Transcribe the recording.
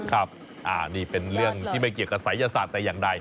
ครับนี่เป็นเรื่องที่ไม่เกี่ยวกับศัยศาสตร์แต่อย่างใด